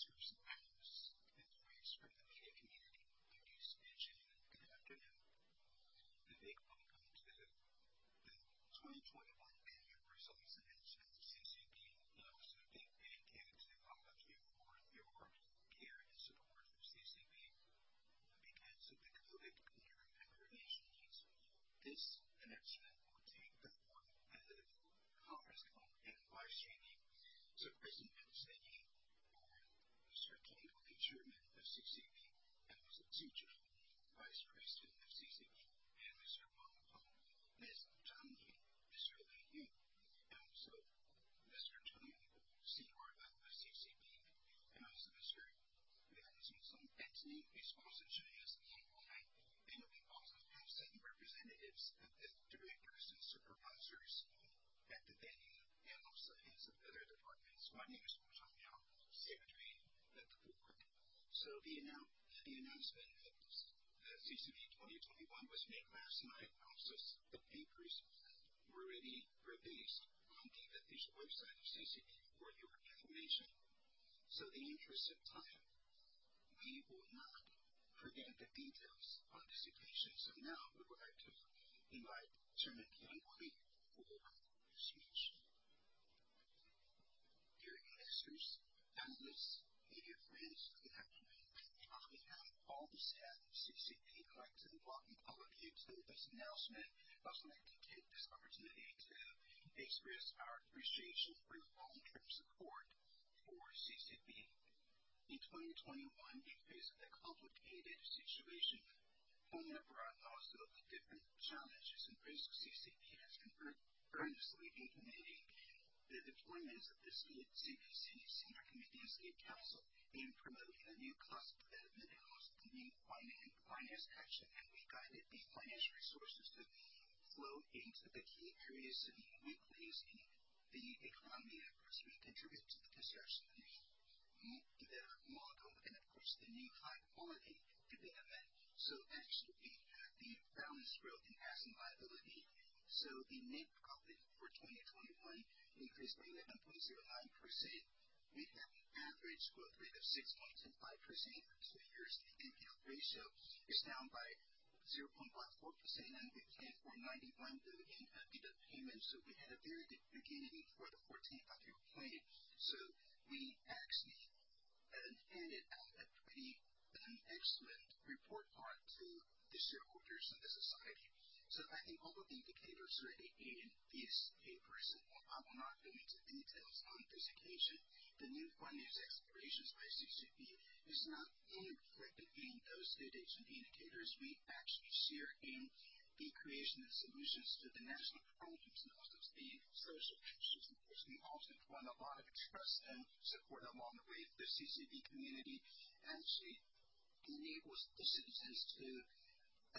Dear investors, and analysts, and friends from the media community, ladies and gentlemen, good afternoon. A big welcome to the 2021 Annual Results Announcement of CCB, and also a big thank you to all of you for your care and support for CCB. Because of the COVID control and prevention needs, this announcement will take the form of conference call and live streaming. Present at this venue are Mr. Tian Guoli, Chairman of CCB, and also Ji Zhihong, Vice President of CCB, and Mr. Wang Hao, Ms. Zhang Min, Mr. Li Yun, and also Mr. Hu Changmiao, CRO of CCB, and also Mr. Liang Jingxong. Anthony is also joining us online, and we also have some representatives of the directors and supervisors at the venue, and also heads of other departments. My name is Hu Changmiao, Secretary of the Board. The announcement of CCB in 2021 was made last night, and also the papers were already released on the official website of CCB for your information. In the interest of time, we will not present the details on this occasion. Now we would like to invite Chairman Tian Guoli for the speech. Dear investors, analysts, media friends, good afternoon. On behalf of all the staff of CCB, I'd like to welcome all of you to this announcement. I'd also like to take this opportunity to express our appreciation for your long-term support for CCB. In 2021, in the face of the complicated situation home and abroad and also the different challenges and risks CCB has been earnestly implementing the deployments of the CPC Central Committee and State Council, and promoting the new development concept and also the new finance action. We guided the financial resources to flow into the key areas and weak links in the economy, and of course we contributed to the construction of the new development model and of course the new high-quality development. Actually we had the balance growth in assets and liabilities. The net profit for 2021 increased by 11.09%. We had an average growth rate of 6.25% for two years, and the NPL ratio is down by 0.14%, and we planned for CNY 91 billion dividend payments. We had a very good beginning for the 14th Five-Year Plan. We actually handed out a pretty excellent report card to the shareholders and the society. I think all of the indicators are already in these papers, so I will not go into details on this occasion. The new finance explorations by CCB is not only reflected in those digital indicators. We actually share in the creation of solutions to the national problems and also the social issues. Of course we also have won a lot of trust and support along the way. The CCB community actually enables the citizens to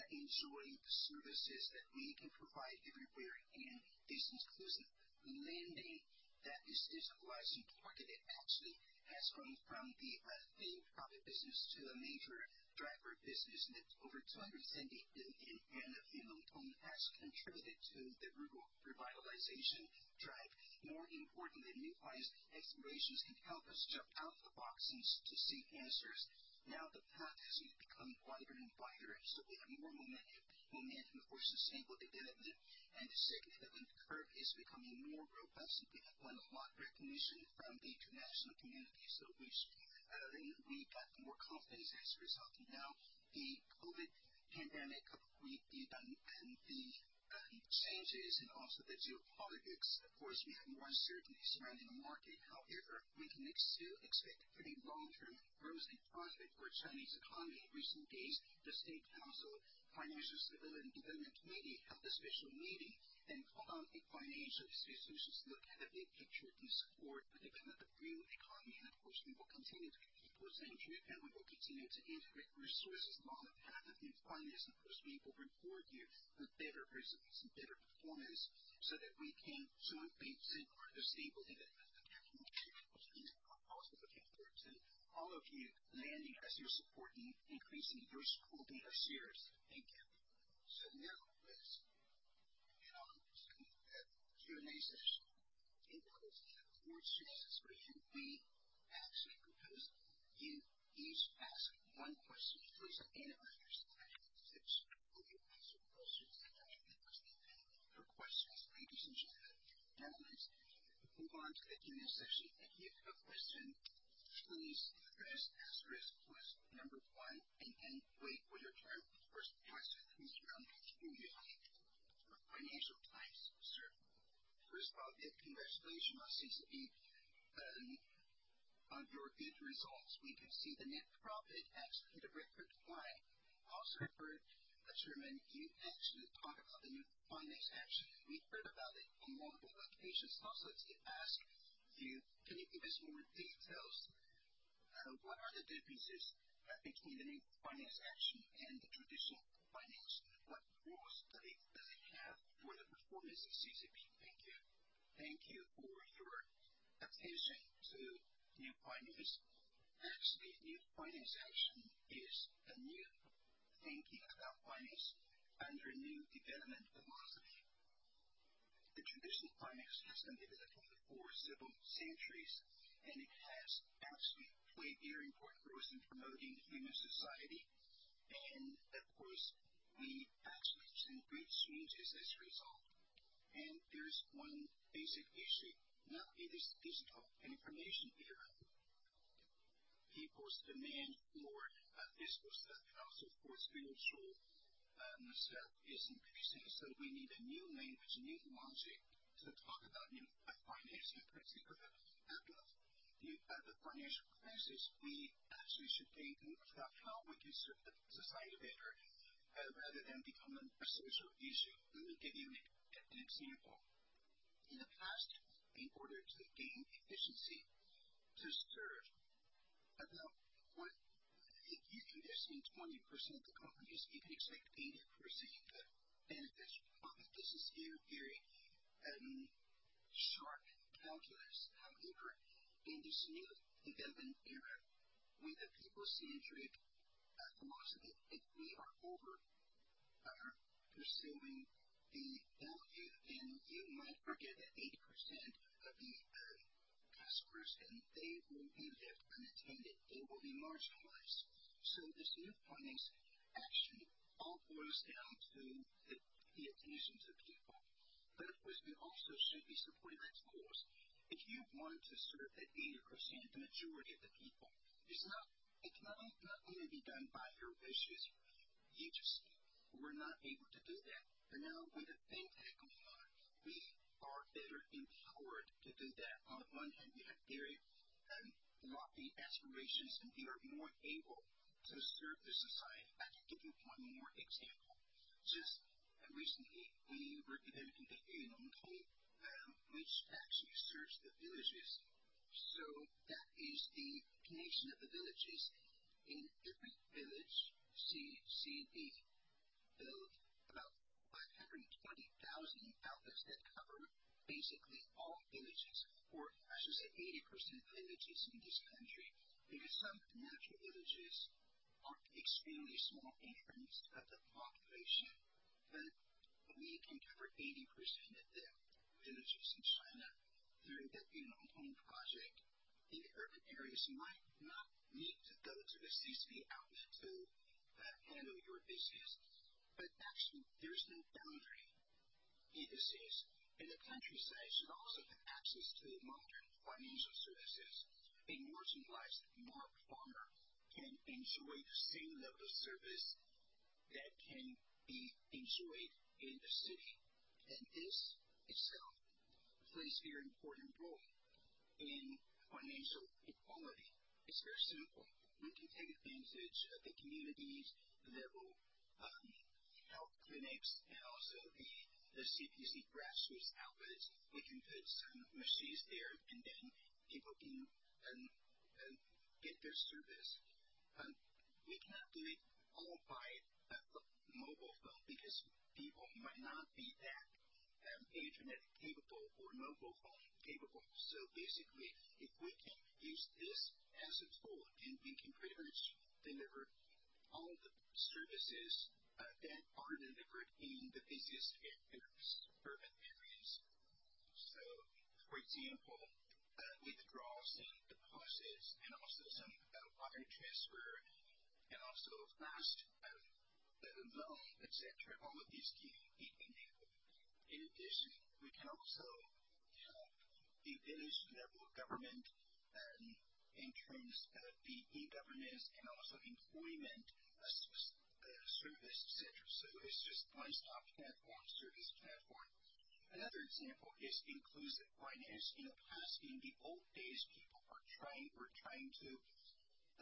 enjoy the services that we can provide everywhere, and this inclusive lending that is digitalized and targeted actually has grown from the thin-profit business to a major driver of business. Over CNY 270 billion of Yunongtong has contributed to the rural revitalization drive. More importantly, new finance explorations can help us jump out of the box and to seek answers. Now the path has already become wider and wider, and so we have more momentum for sustainable development. The second development curve is becoming more robust, and we have won a lot of recognition from the international community, so we got more confidence as a result. Now the COVID pandemic and the changes and also the geopolitics, of course we have more uncertainty surrounding the market. However, we can still expect a pretty long-term rosy prospect for the Chinese economy. In recent days, the State Council Financial Stability and Development Committee held a special meeting and called on financial institutions to look at the big picture and support the development of the real economy. Of course we will continue to be people-centric, and we will continue to integrate resources along the path of new finance. Of course we will reward you with better results and better performance so that we can jointly safeguard the stable development of the capital market. Of course we are also looking forward to all of you lending as you're supporting and increasing your holding of shares. Thank you. Now let's head on to the Q&A session. In order to have more chances for you, we actually propose you each ask one question. Please identify yourself and your organization before you ask your questions. Now the floor is open for questions. Ladies and gentlemen, now let's move on to the Q&A session. If you have a question, please press asterisk plus number one and then wait for your turn. The first question comes from Lu Yuhang from Financial Times, sir. First of all, big congratulations on CCB on your good results. We could see the net profit actually hit a record high. I also heard Chairman you actually talk about the new finance action, and we heard about it on multiple occasions. Also to ask you, can you give us more details? What are the differences between the new finance action and the traditional finance, and what roles does it have for the performance of CCB? Thank you. Thank you for your attention to new finance. Actually, new finance action is a new thinking about finance under a new development philosophy. The traditional finance has been developing for several centuries, and it has actually played very important roles in promoting human society. Of course, we actually have seen great changes as a result. There's one basic issue. Now in this digital and information era, people's demand for physical stuff and also for spiritual stuff is increasing. We need a new language, new logic to talk about new finance. In particular, after the financial crisis, we actually should think more about how we can serve the society better rather than become a social issue. Let me give you an example. In the past, in order to gain efficiency, if you invest in 20% of the companies, you can expect 80% of benefits or profit. This is very, very sharp calculus. However, in this new development era, with the people-centric philosophy, if we are over pursuing the value, then you might forget that 80% of the customers, and they will be left unattended. They will be marginalized. This new finance action all boils down to the attention to people. Of course, we also should be supported by tools. If you want to serve that 80%, the majority of the people, it can not only be done by your wishes. We're not able to do that. Now with the Fintech going on, we are better empowered to do that. On the one hand, we have very lofty aspirations, and we are more able to serve the society. I can give you one more example. Just recently, we were developing the Yunongtong, which actually serves the villages. That is the connection of the villages. In every village, CCB built about 520,000 outlets that cover basically all villages, or I should say 80% of the villages in this country, because some natural villages are extremely small in terms of the population. We can cover 80% of the villages in China through that Yunongtong project. In the urban areas, you might not need to go to a CCB outlet to handle your business. Actually, there's no boundary in this sense. The countryside should also have access to modern financial services. A marginalized farmer can enjoy the same level of service that can be enjoyed in the city. This itself plays a very important role in financial equality. It's very simple. We can take advantage of the community-level health clinics and also the CPC grassroots outlets. We can put some machines there, and then people can get their service. We cannot do it all by a mobile phone because people might not be that internet capable or mobile phone capable. Basically, if we can use this as a tool, then we can pretty much deliver all the services that are delivered in the busiest urban areas. For example, withdrawals, deposits, and also some wire transfer, and also fast loan, etc., all of these can be enabled. In addition, we can also help the village-level government in terms of the e-governance and also employment service, etc. It's just a one-stop service platform. Another example is inclusive finance. In the past, in the old days, people were trying to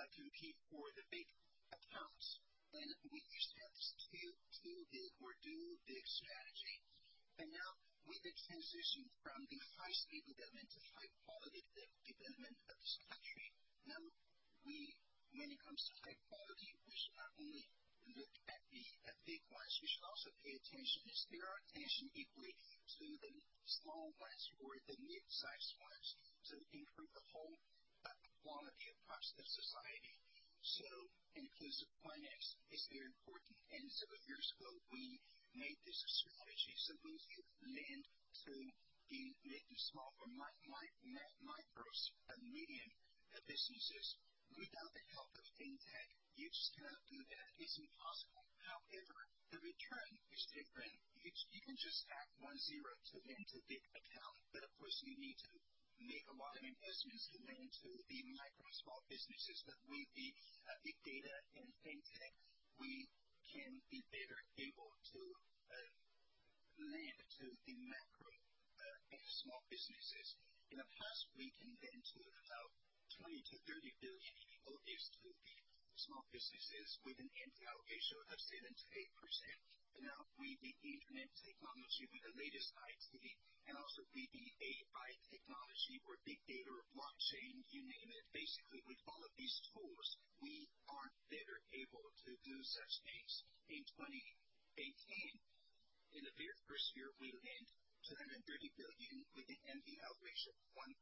compete for the big accounts. We used to have this two big or do big strategy. Now with the transition from the high-speed development to high-quality development of this country, now when it comes to high quality, we should not only look at the big ones. We should also pay attention and spare our attention equally to the small ones or the midsize ones to improve the whole quality across the society. Inclusive finance is very important. Several years ago, we made this a strategy. When you lend to the mid and small or micro and medium businesses, without the help of fintech, you just cannot do that. It's impossible. However, the return is different. You can just add one zero to lend to a big account. Of course, you need to make a lot of investments to lend to the micro and small businesses. With the big data and fintech, we can be better able to lend to the micro and small businesses. In the past, we can lend to about 20-30 billion in the old days to the small businesses with an NPL ratio of 7%-8%. Now with the internet technology, with the latest IT, and also with the AI technology or big data or blockchain, you name it, basically with all of these tools, we are better able to do such things. In 2018, in the very first year, we lent CNY 230 billion with an NPL ratio of 1%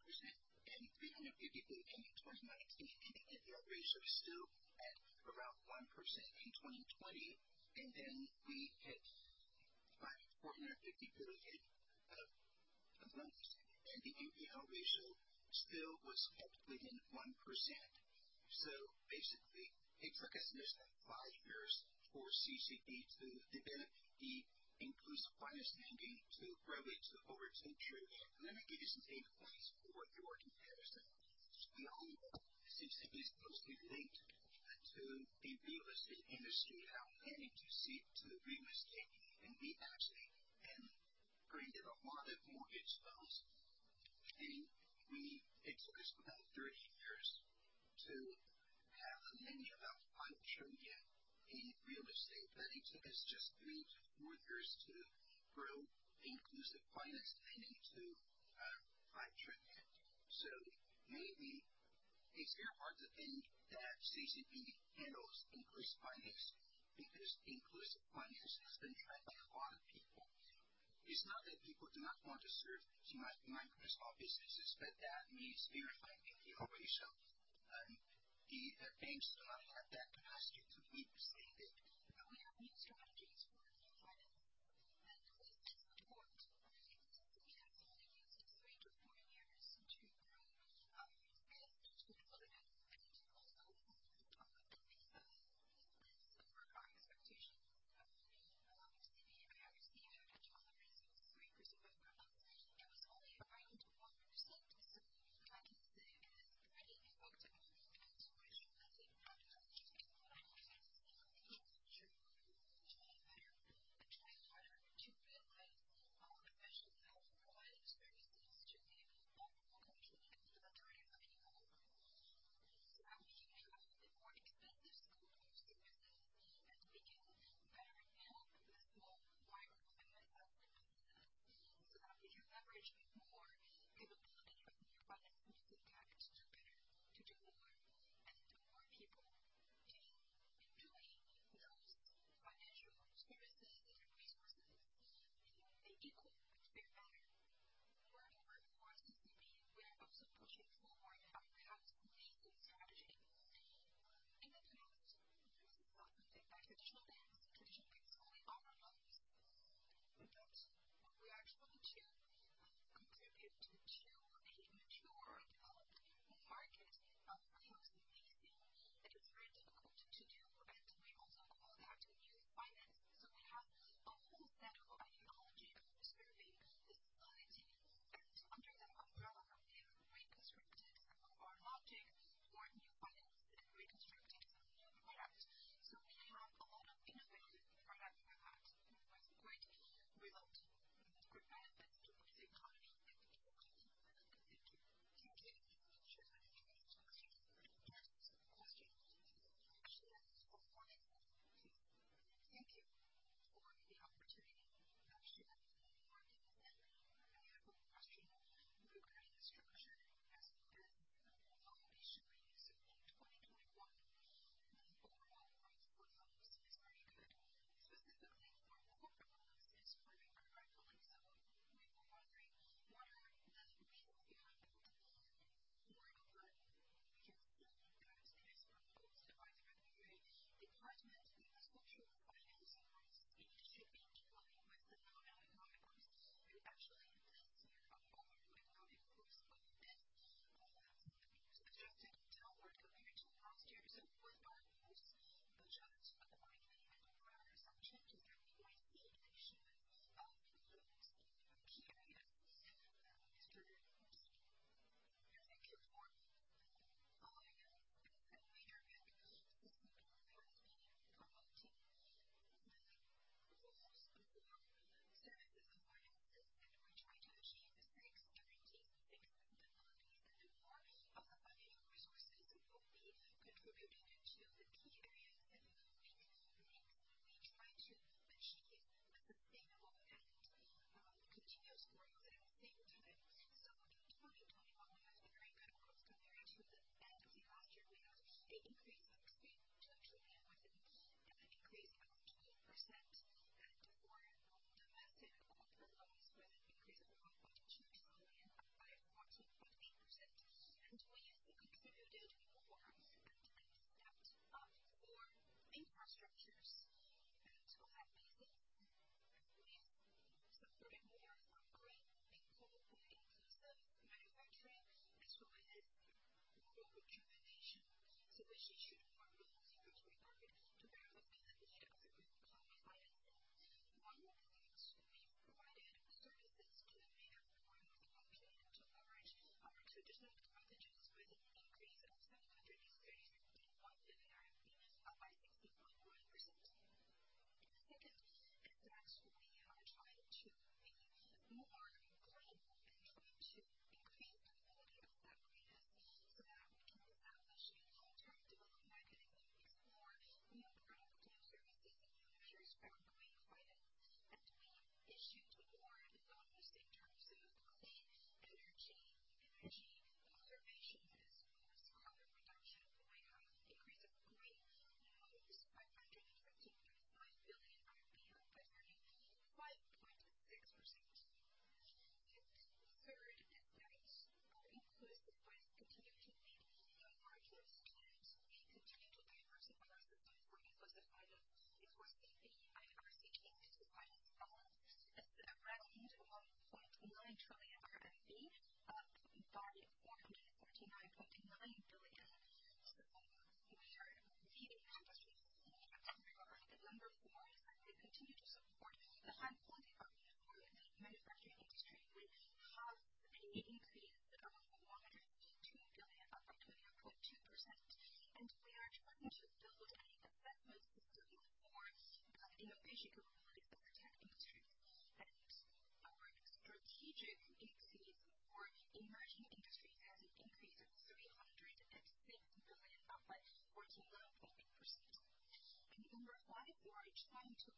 and CNY 350 billion in 2019. The NPL ratio is still at around 1% in 2020. We had CNY 450 billion of loans, and the NPL ratio still was kept within 1%. Basically, it took us less than five years for CCB to develop the inclusive finance lending to grow it to over 2 trillion. Let me give you some data points for your comparison. We all know that CCB is closely linked to the real estate industry and our lending to real estate. We actually granted a lot of mortgage loans. It took us about 30 years to have a lending of about CNY 5 trillion in real estate. It took us just three-four years to grow inclusive finance lending to CNY 5 trillion. Maybe it's very hard to think that CCB handles inclusive finance because inclusive finance has been tried by a lot of people. It's not that people do not want to serve micro and small businesses, but that means very high NPL ratio. The banks do not have that capacity to meet the conservation, as well as carbon reduction. We have an increase of green loans, CNY 515.5 billion, up by 35.6%. The third is that our inclusive finance continues to lead the market. We continue to diversify our system for inclusive finance. For CBIRC, the inclusive finance balance is around CNY 1.9 trillion, up by CNY 449.9 billion. We are leading the industry in that regard. Number four is that we continue to support the high-quality development for the manufacturing industry. We have an increase of CNY 152 billion, up by 29.2%. We are trying to build an assessment system for the innovation capabilities of the tech industries. Our strategic increase for emerging industries has an increase of RMB 306 billion, up by 49.8%. Number five, we are trying to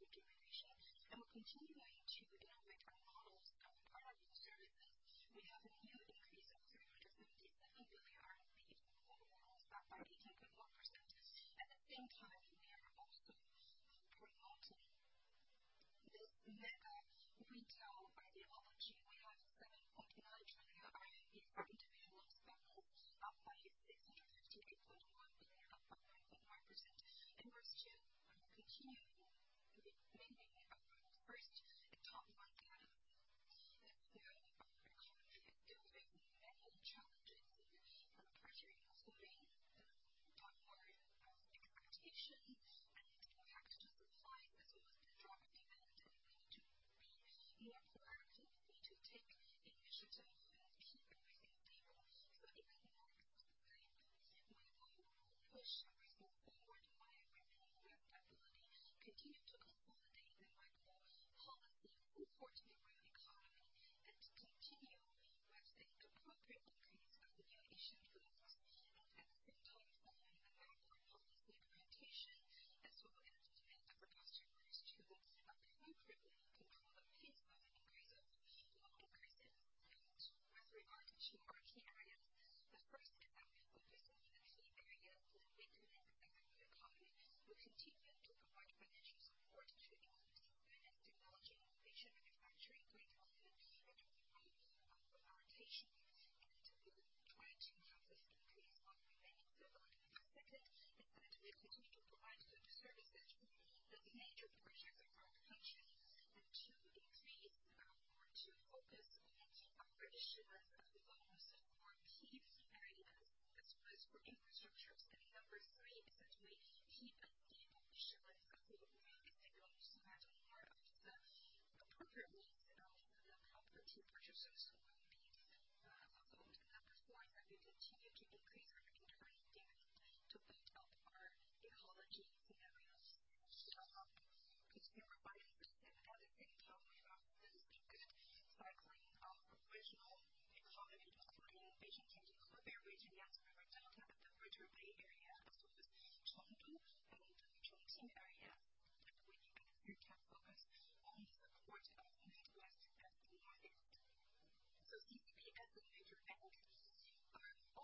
consolidate our result of poverty alleviation and build our service brand for rural rejuvenation. We're continuing to innovate our models of product and services. We have a new increase of RMB 377 billion for rural loans, up by 18.1%. At the same time, we are also promoting this mega retail ideology. We have RMB 7.9 trillion for individual loans balance, up by RMB 658.1 billion, up by 9.1%. We're still continuing remaining our first and top one status. As of now, our economy is still facing many challenges and pressure, including the downward of expectations and impact to supplies as well as the drop of demand.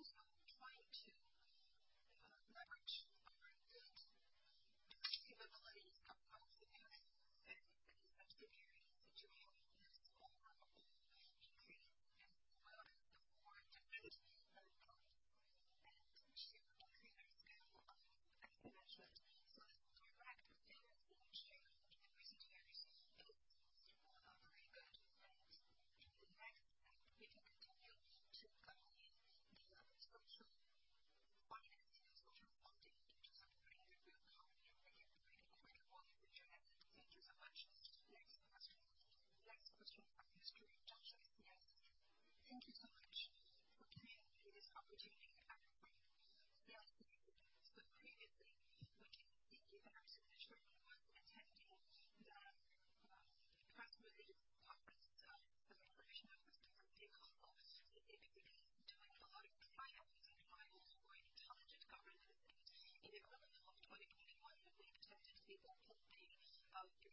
trying to leverage our good capabilities of both the parent banks and the subsidiaries to have this overall increase as well as for different debts and to increase our scale of asset management. This direct financing channel in the recent years is very good. In the next step, we can continue to guide the social financing and social funding into supporting the real economy. They can play a credible role in the future. That's it. Thank you so much. Next question. Next question from Mr. Zhang Shuai, CICC. Thank you so much for giving me this opportunity. I'm from CICC. Previously, we can see that the chairman was attending the press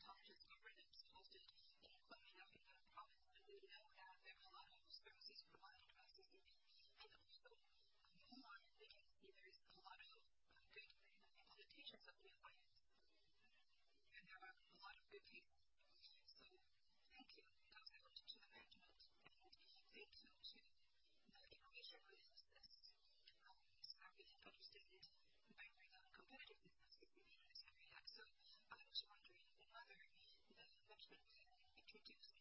conference of the State Council Information Office. CCB is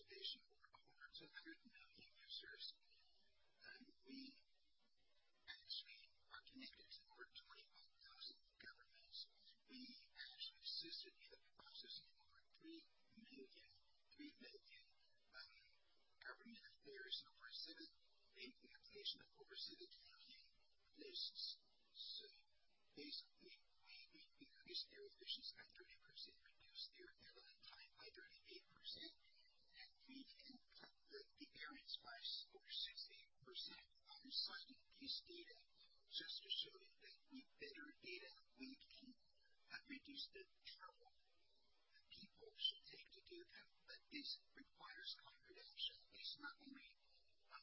over 200 million users. We actually are connected to over 25,000 governments. We actually assisted in the processing of over 3 million government affairs and over seven implementations of over 7 million lists. Basically, we increased their efficiency by 30%, reduced their handling time by 38%, and we can cut the errands by over 60%. I'm citing these data just to show you that with better data, we can reduce the trouble people should take to do them. This requires concrete action. It's not only on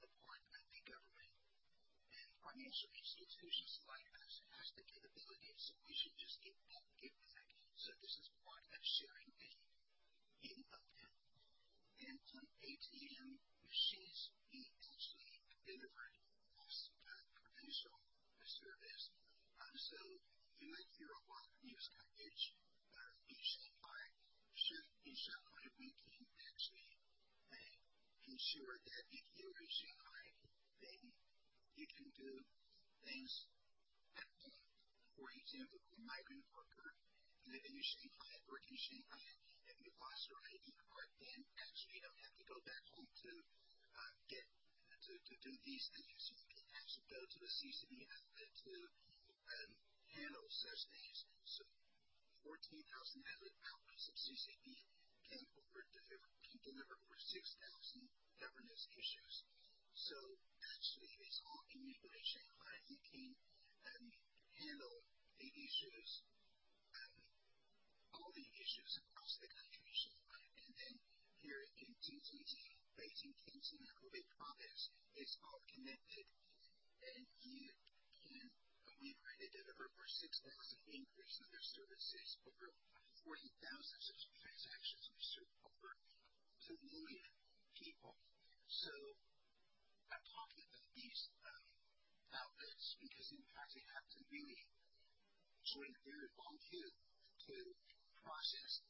the part of the government. Financial institutions like us have the capability. We should just give back. This is part of sharing and being open. On ATM machines, we actually delivered cross-provincial service. You might hear a lot of news coverage in Shanghai. In Shanghai, we can actually ensure that if you are in Shanghai, then you can do things at home. For example, if you're a migrant worker living in Shanghai, working in Shanghai, if you lost your ID card, then actually you don't have to go back home to do these things. You can actually go to a CCB outlet to handle such things. 14,000 outlets of CCB can deliver over 6,000 governance issues. Actually, it's all enabled in Shanghai. You can handle all the issues across the country in Shanghai. Here in Xinxing Ji, Beijing, Tianjin, and Hebei Province, it's all connected. We've already delivered over 6,000 increases in other services, over 40,000 such transactions. We serve over two million people. I'm talking about these outlets because in the past, you have to really join a very long queue to process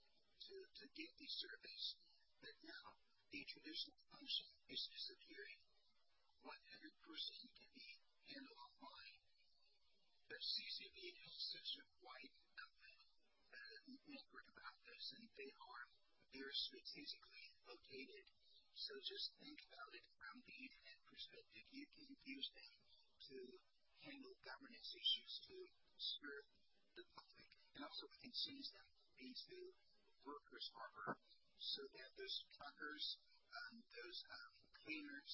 to get this service. Now the traditional function is disappearing. 100% can be handled online. CCB has such a wide network of outlets, and they are very strategically located. Just think about it from the internet perspective. You can use them to handle governance issues, to serve the public. Also, we can change them into workers' harbor so that those truckers, those cleaners,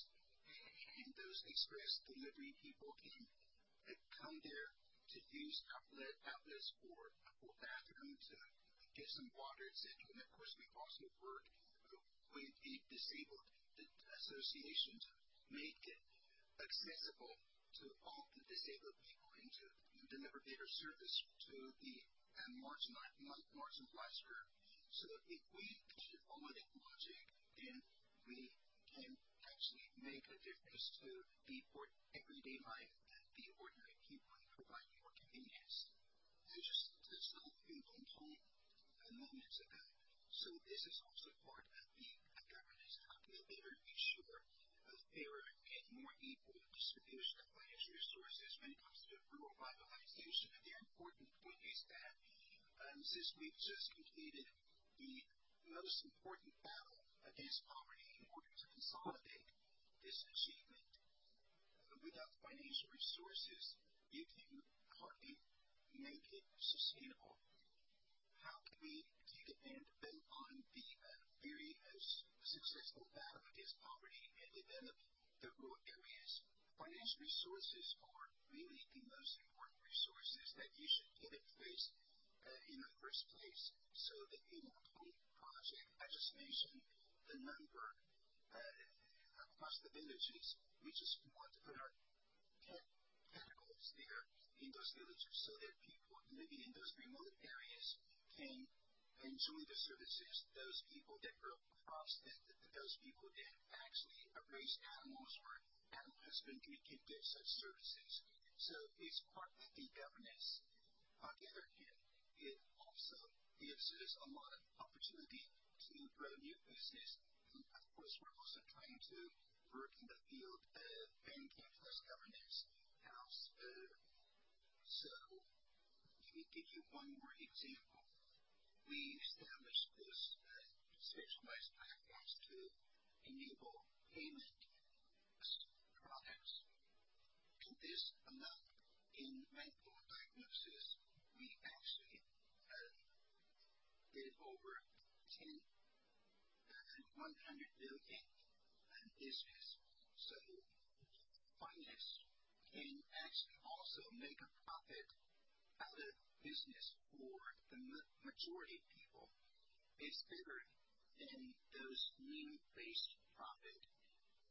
and those express delivery people can come there to use outlets for bathrooms, to get some water, etc. Of course, we also work with the disabled association to make it accessible to all the disabled people and to deliver better service to the marginalized group. If we can follow that logic, then we can actually make a difference to the everyday life of the ordinary people and provide more convenience. I just touched on Yunongtong moments ago. This is also part of the governance. How can we better ensure a fairer and more equal distribution of financial resources when it comes to rural revitalization? A very important point is that since we've just completed the most important battle against poverty in order to consolidate this achievement, without financial resources, you can hardly make it sustainable. How can we take advantage and build on the very successful battle against poverty and develop the rural areas? Financial resources are really the most important resources that you should put in place in the first place. The Yunongtong project, I just mentioned the number across the villages. We just want to put our tentacles there in those villages so that people living in those remote areas can enjoy the services. Those people that grow crops, those people that actually raise animals or animal husbandry can get such services. It's part of the governance. On the other hand, it also gives us a lot of opportunity to grow new business. Of course, we're also trying to work in the field of banking plus governance. Let me give you one more example. We established those specialized platforms to enable payment products. This alone, in medical diagnosis, we actually did over CNY 100 billion in business. Finance can actually also make a profit out of business for the majority of people. It's better than those NIM-based profits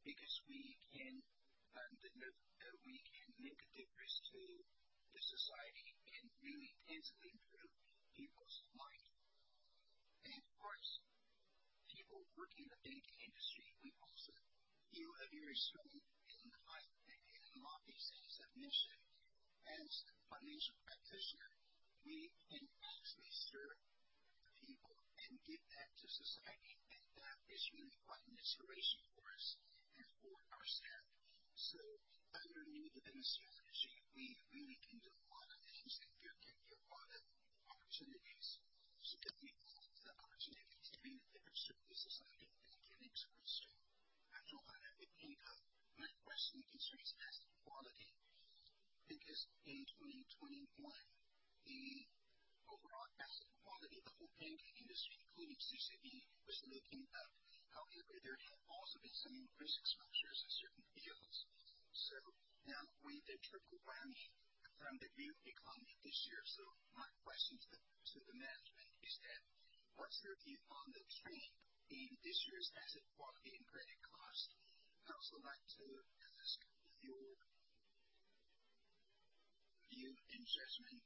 because we can make a difference to the society and really tangibly improve people's life. For us, people working in the banking industry, we also feel a very strong and lofty sense of mission. As a financial practitioner, we can actually serve the people and give back to society. That is really quite an inspiration for us and for our staff. Under new development strategy, we really can do a lot of things, and there can be a lot of opportunities so that we have the opportunity to really better serve the society. Thank you. Next question. I'm Zhong Huanan with PIMCO. My question concerns asset quality because in 2021, the overall asset quality, the whole banking industry, including CCB, was looking up. However, there have also been some risk exposures in certain fields. Now we did triple whammy from the real economy this year. My question to the management is that what's your view on the trend in this year's asset quality and credit cost? And I'd also like to ask your view and judgment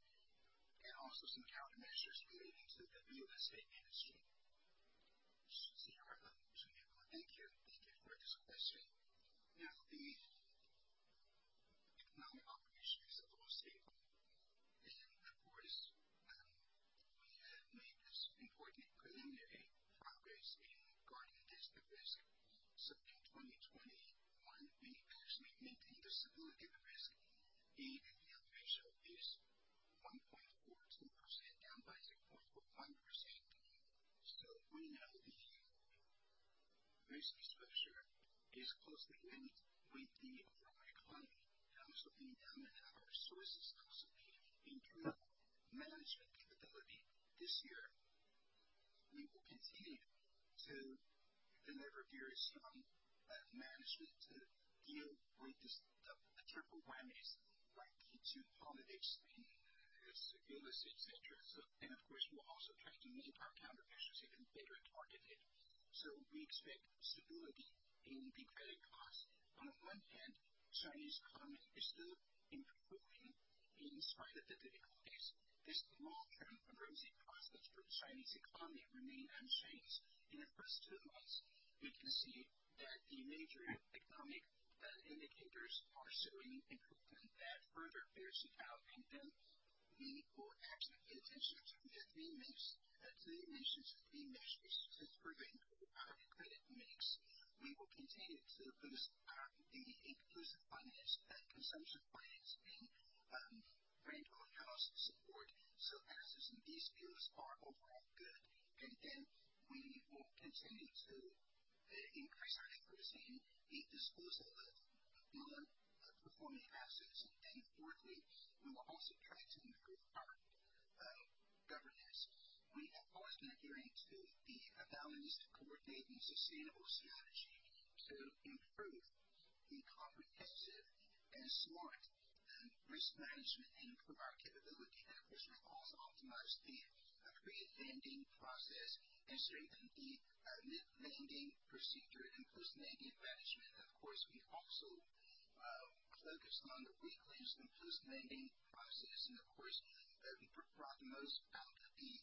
and also some countermeasures relating to the real estate industry. CRO Cheng Yuanguo, thank you. Thank you for this question. Now, the economic operation is overall stable. Of course, we have made important preliminary progress in guarding against the risk. In 2021, we actually maintained the stability of the risk. The NPL ratio is 1.42% down by 0.41%. We know the risk exposure is closely linked with the overall economy and also the endowment of our resources and also the internal management capability. This year, we will continue to deliver very strong management to deal with these triple whammies like the geopolitics and real estate, etc. Of course, we'll also try to make our countermeasures even better targeted. We expect stability in the credit costs. On the one hand, the Chinese economy is still improving in spite of the difficulties. This long-term rosy prospects for the Chinese economy remain unchanged. In the first two months, we can see that the major economic indicators are showing improvement. That further bears it out. We will actually pay attention to the three missions and three measures to further improve our credit mix. We will continue to boost the inclusive finance, consumption finance, and rental house support. Assets in these fields are overall good. We will continue to increase our efforts in the disposal of non-performing assets. Fourthly, we will also try to improve our governance. We have always been adhering to the balanced, coordinated, and sustainable strategy to improve the comprehensive and smart risk management and improve our capability. Of course, we have also optimized the pre-lending process and strengthened the mid-lending procedure and post-lending management. Of course, we also focused on the weak links in the post-lending process and, of course, brought the most out of the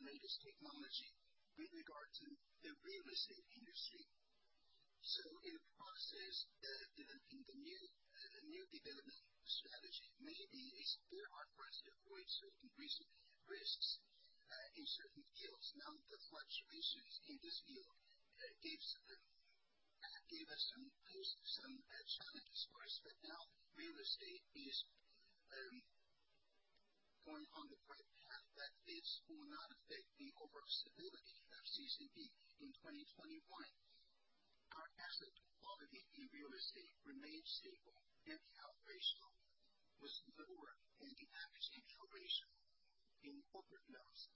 latest technology with regard to the real estate industry. In the process of developing the new development strategy, maybe it's very hard for us to avoid certain risks in certain fields. Now, the fluctuations in this field gave us some challenges for us. Now real estate is going on the right path. This will not affect the overall stability of CCB in 2021. Our asset quality in real estate remained stable. The NPL ratio was lower than the average NPL ratio in corporate loans.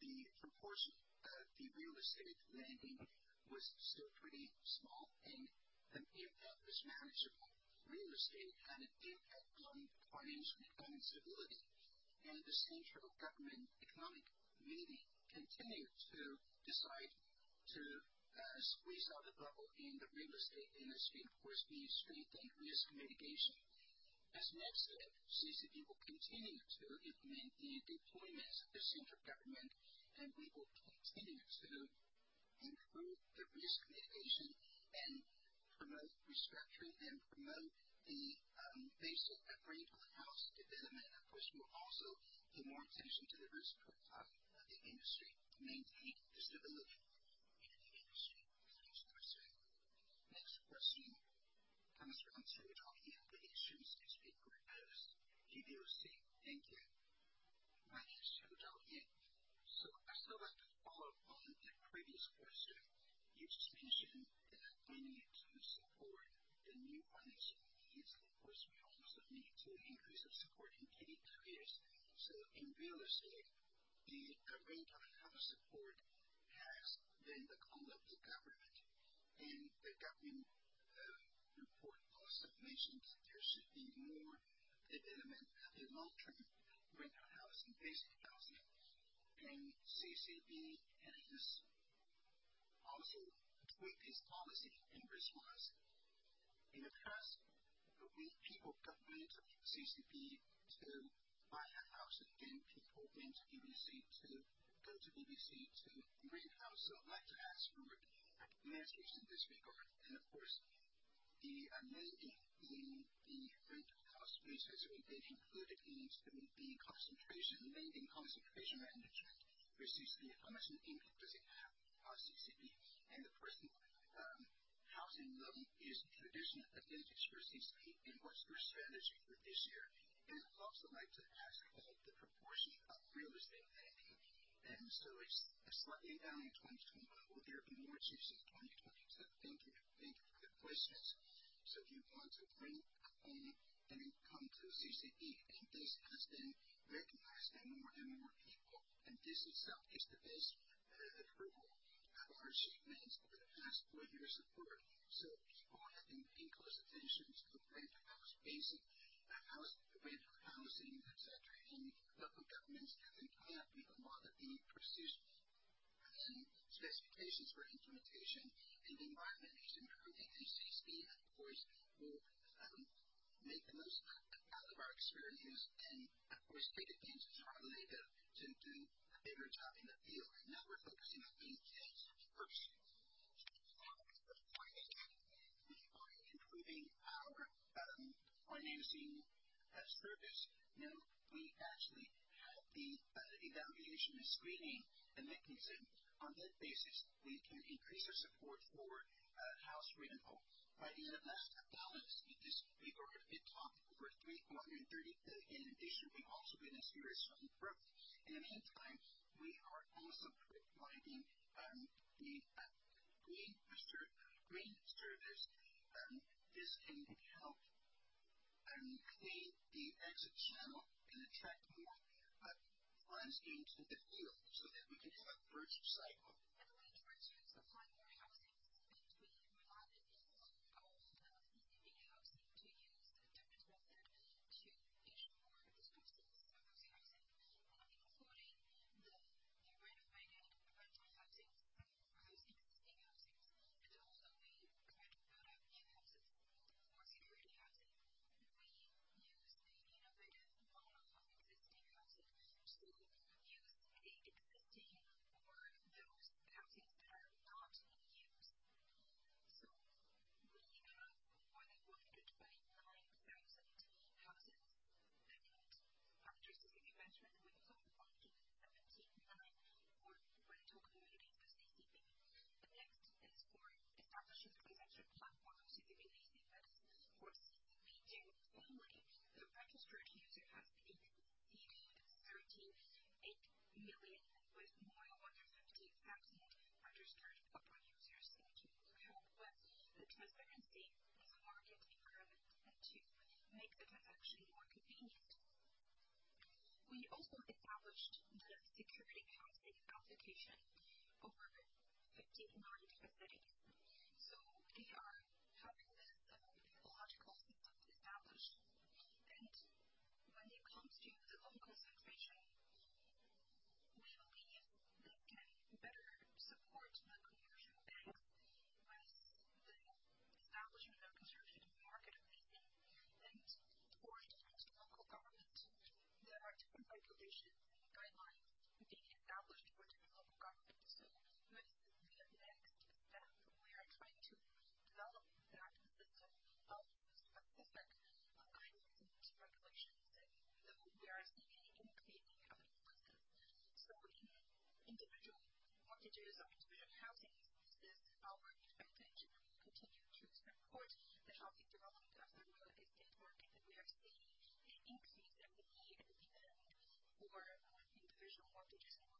The proportion of the real estate landing was still pretty small, and the impact was manageable. Real estate had an impact on financial and economic stability. The central government economic meeting continued to decide to squeeze out the bubble in the real estate industry. Of course, we strengthened risk mitigation. As the next step, CCB will continue to implement the deployments of the central government. We will continue to improve the risk mitigation and restructuring and promote the rental house development. Of course, we will also pay more attention to the risk profile of the industry to maintain the stability in the industry. Next question. Next question comes from Qiu Zhaoyan with the Insurance Newspaper of PBOC. Thank you. My name is Qiu Zhaoyan. I'd still like to follow up on that previous question. You just mentioned that we need to support the new financing needs. Of course, we also need to increase our support in key areas. In real estate, the rental house support has been the call of the government. The government report also mentioned that there should be more development of the long-term rental house and basic housing. CCB has also tweaked its policy in response. In the past, people went to CCB to buy a house. Then people went to CCB to rent a house. I'd like to ask your measures in this regard. Of course, the lending in the rental house, which has already been included into the lending concentration management for CCB, how much impact does it have on CCB? The personal housing loan is a traditional advantage for CCB. What's your strategy for this year? I'd also like to ask about the proportion of real estate lending. It's slightly down in 2021. Will there be more changes in 2022? Thank you. Thank you for the questions. If you want to rent a home, then come to CCB. This has been recognized by more and more people. This itself is the best approval of our achievements over the past four years of work. People have been paying close attention to rental house, basic rental housing, etc. Local governments have been coming up with a lot of the specifications for implementation. The environment is improving. CCB, of course, will make the most out of our experience and, of course, take advantage of our legacy to do a better job in the field. Now we're focusing on three things. First, on the financing. We are improving our financing service. Now, we actually have the evaluation and screening mechanism. On that basis, we can increase our support for house rental. By the end of last year, the balance in this regard, it topped over CNY 130 billion. This year, we also witnessed very strong growth. In the meantime, we are also providing the green service. This can help green the exit channel and attract more funds into the field so that we can have a virtuous cycle. When it comes to the loan concentration, we believe this can better support the commercial banks with the establishment or construction of the market of leasing. For different local governments, there are different regulations and guidelines being established for different local governments. With the next step, we are trying to develop that system of specific guidelines and regulations. Though we are seeing an increasing influence, so in individual mortgages or individual housing, this is our advantage. We will continue to support the healthy development of the real estate market. We are seeing an increase of need and demand for individual mortgages. We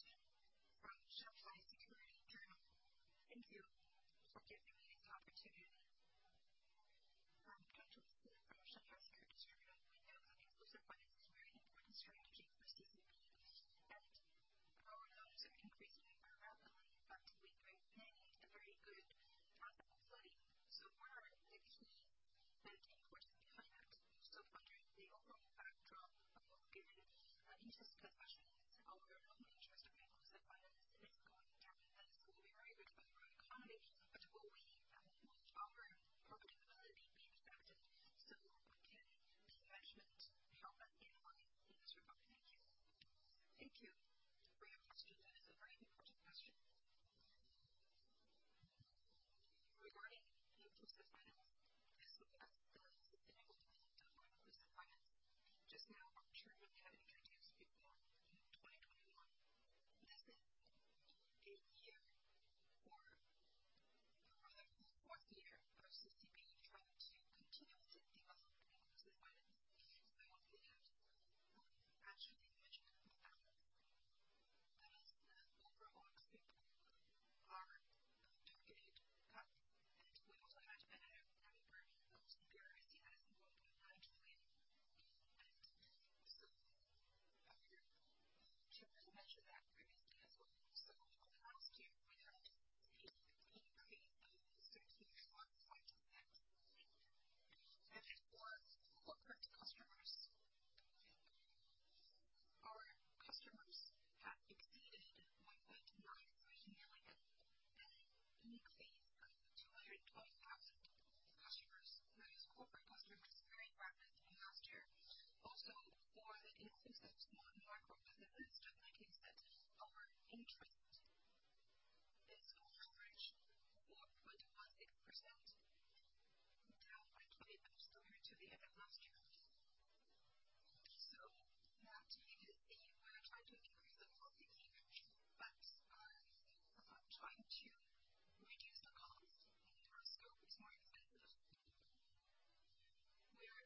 will be prepared. Just now, our VP, Mr. Ji, had introduced the details. That's it for me. Thank you so much. Next question from Shanghai Securities Journal. Thank you for giving me this opportunity. I'm Zhang Chongsi from Shanghai Securities Journal. We know that inclusive finance is a very important strategy for CCB. Our loans are increasing very rapidly, but we remain at very good asset quality. What are the keys and importance behind that? Also, under the overall backdrop of giving interest concessions, our loan interest of inclusive finance is going down. This will be very good for the real economy. Will our profitability be affected? Can the management help us analyze in this regard? Thank you. Thank you for your question. That is a very important question regarding inclusive finance as well as the sustainable development of our inclusive finance. Just now, our chairman had introduced before in 2021. This is the fourth year of CCB trying to continuously develop inclusive finance. We have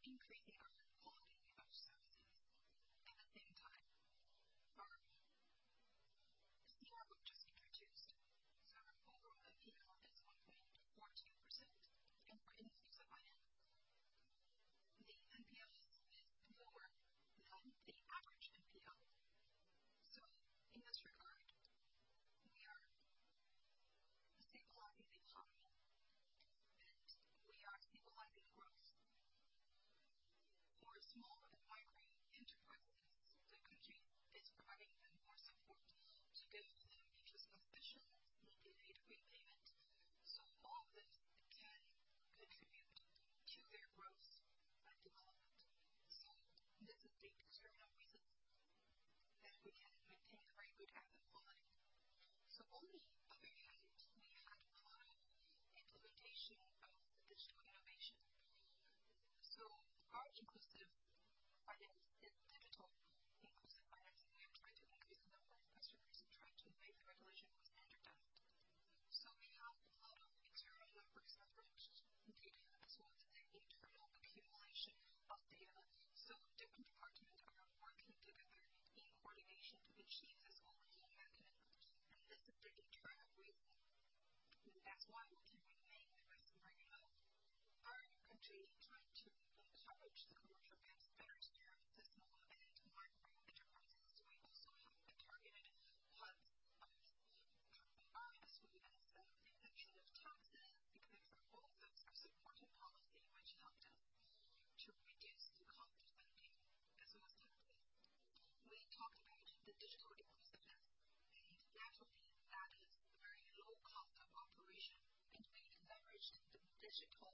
businesses, just like you to achieve this overall mechanism. This is the internal reason. That's why we can maintain the risk very low. Our country is trying to encourage the commercial banks to better serve the small and micro enterprises. We also have targeted cuts of RRR as well as exemption of taxes, etc. All of those are supportive policies, which helped us to reduce the cost of funding as well as taxes. We talked about the digital inclusive finance. Naturally, that is very low cost of operation. We leveraged the digital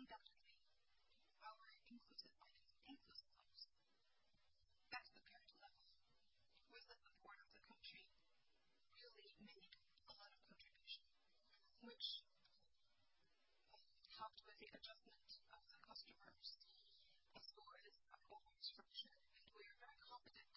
inclusive finance. Our asset quality compared to the past, just like the chairman mentioned previously, the NPL is very high. Right now, it is lowered. For our cost, it's very low. Our tax is dropping. That has given us a very good advantage to give interest concessions to the small and micro businesses. As you mentioned, profitability. Undoubtedly, our inclusive finance and inclusive loans, at the current level, with the support of the country, really made a lot of contribution, which helped with the adjustment of the customers as well as our overall structure. We are very confident.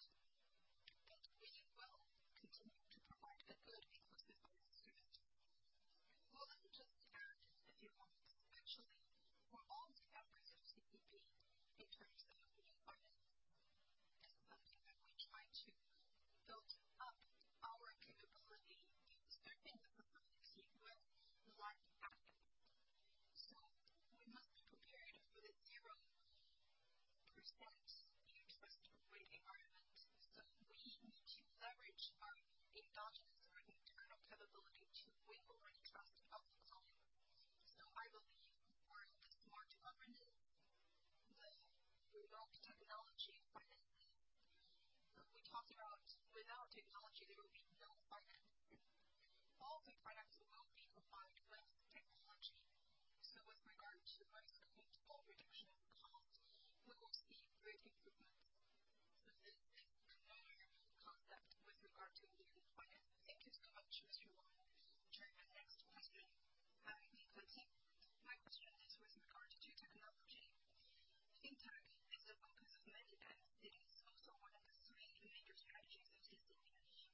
We will continue to provide good inclusive finance services. Well, let me just add a few words. Actually, for all of the efforts of CCB in terms of new finance, it's something that we try to build up our capability of serving the society with light assets. We must be prepared for the 0% interest rate environment. We need to leverage our endogenous or internal capability to win over the trust of the clients. I believe for the smart governance, the remote technology of finances, we talked about without technology, there will be no finance. All of the products will be combined with technology. With regard to risk control, reduction of cost, we will see great improvements. This is another concept with regard to new finance. Thank you so much, Mr. Wang, Chairman. Next question. I'm Li Keqing. My question is with regard to technology.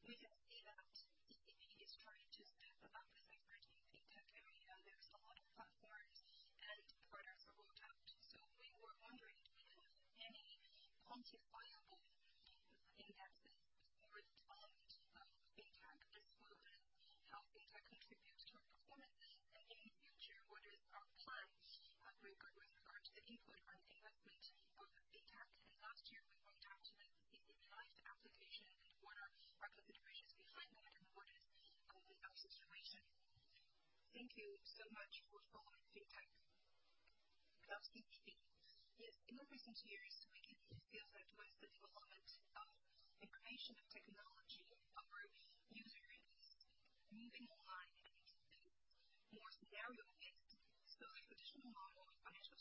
Fintech is the focus of many banks. It is also one of the three major strategies of CCB. We can see that CCB is trying to step up its effort in the fintech area. There are a lot of platforms and products rolled out. We were wondering, do we have any quantifiable indexes for the development of fintech as well as how Fintech contributes to our performances? In the future, what is our plan with regard to the input and investment of fintech? Last year, we rolled out this CCB Life application. What are our considerations behind that? What is our situation? Thank you so much for following Fintech of CCB. Yes, in the recent years, we can feel that with the development of information technology, our user is moving online and is more scenario-based. The traditional model of financial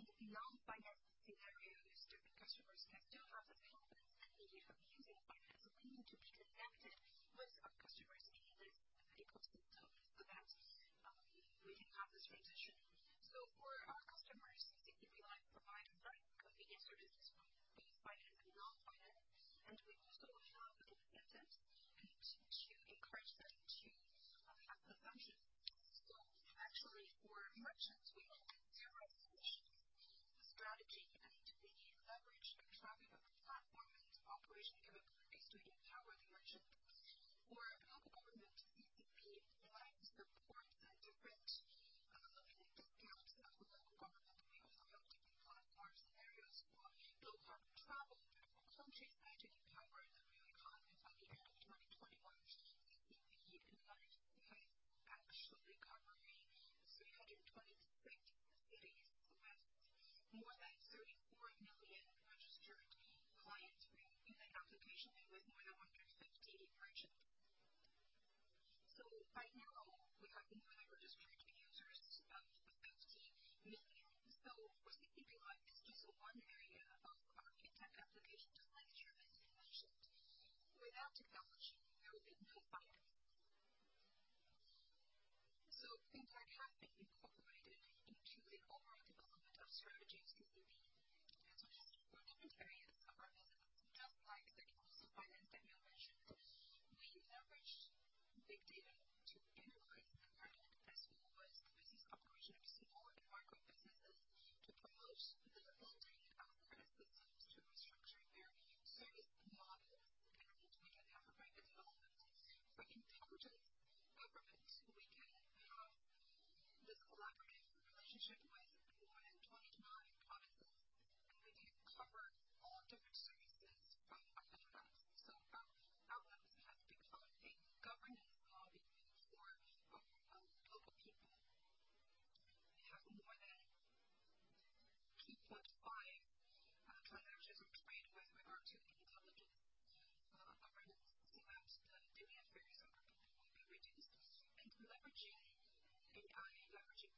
services cannot fulfill the demand of the clients anymore. That's why we are using more concepts of new finance. We're trying to have more actions to build up this online channel of CCB Live so that in non-finance scenarios, different customers can still have this habit and need of using finance. We need to be connected with our customers in this ecosystem so that we can have this transition. For our customers, CCB Live provides very convenient services for both finance and non-finance. We also have incentives to encourage them to have consumptions. Actually, for merchants, we have a zero commissions strategy. We leverage our traffic of the platform and operation capabilities to empower the merchants. For local government, CCB Live supports different discounts of local government. We also have different platform scenarios for low-carbon travel, beautiful countryside to empower the real economy. By the end of 2021, CCB Life has actually covered 326 cities with more than 34 million registered clients in the application and with more than 150 merchants. By now, we have more than 50 million registered users. For CCB Life, it's just one area of our fintech application, just like Chairman Tian mentioned. Without technology, there will be no finance. Fintech has been incorporated into the overall development of the strategy of CCB as well as for different areas of our business, just like the inclusive finance that you mentioned. We leveraged big data to analyze the credit as well as the business operation of small and micro businesses to promote the building of credit systems to restructure their service models. We can have rapid development. For intelligent government, we can have this collaborative relationship with more than 29 provinces. We can cover all different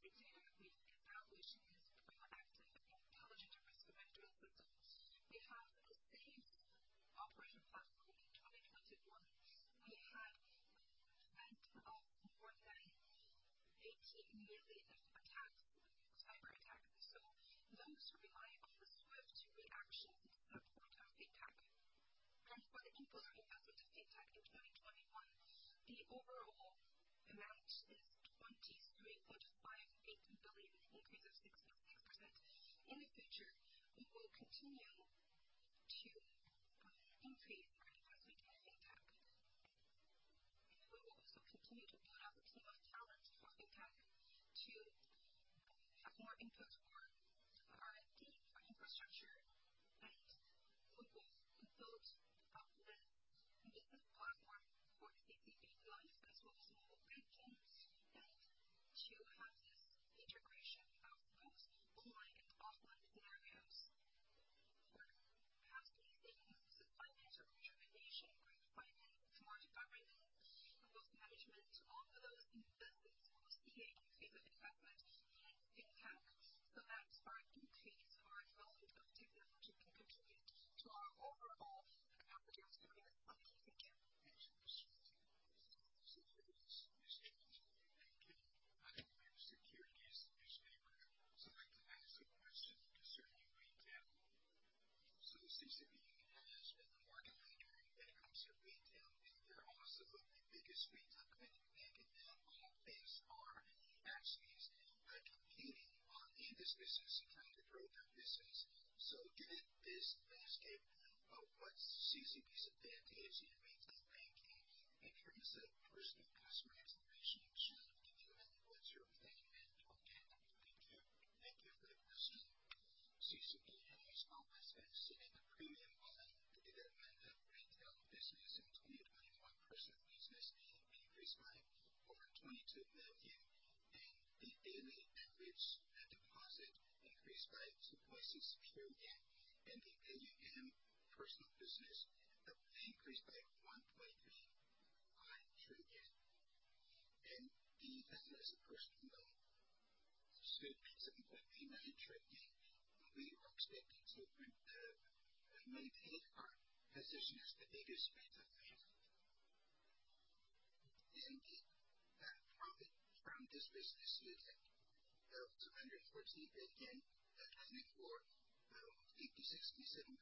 services from our outlets. Our outlets have become a governance lobby for our local people. We have more than 2.5 transactions or trades with regard to intelligent governance so that the daily affairs of our people will be reduced. Leveraging AI, leveraging big data, we've established this proactive and intelligent risk management system. We have a safe operation platform. In 2021, we fended off more than 80 million cyberattacks. Those rely on the swift reactions and support of fintech. For the input or investment of fintech in 2021, the overall amount is CNY 23.58 billion, an increase of 6.6%. In the future, we will continue to increase our investment in Fintech. We will also continue to build up a team of talent for Fintech to have more input for R&D, for infrastructure. We will build up this business platform for CCB Life as well as mobile banking and to have this integration of both online and offline scenarios. For house leasing, inclusive finance, rejuvenation, green finance, smart governance, wealth management, all of those businesses will see an increase of investment in Fintech so that our increase or development of technology can contribute to our overall capacity of serving the society. Thank you. Next question. Securities Newspaper. Thank you. I'm with Securities Newspaper. I'd like to ask a question concerning retail. CCB has been the market leader when it comes to retail. You're also the biggest retail credit bank. Now all banks are actually competing in this business and trying to grow their business. Given this landscape, what's CCB's advantage in retail banking in terms of personal customer exploration and channel development? What's your plan and target? Thank you. Thank you for the question. CCB has always been setting a premium on the development of retail business. In 2021, personal business increased by over 22 million. The daily average deposit increased by CNY 2.6 trillion. The AUM personal business increased by CNY 1.35 trillion. The balance of personal loan stood at 7.89 trillion. We are expected to maintain our position as the biggest retail bank. The profit from this business stood at CNY 214 billion, accounting for 56.7%. We believe that the retail business of CCB has these three advantages. First,